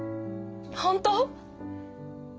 本当？